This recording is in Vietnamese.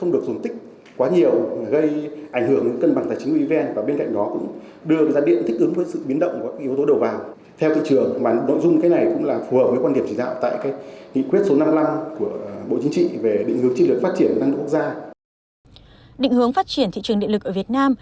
định hướng phát triển thị trường điện lực ở việt nam